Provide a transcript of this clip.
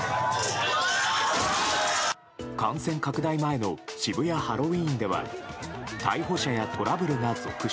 感染拡大前の渋谷ハロウィーンでは逮捕者やトラブルが続出。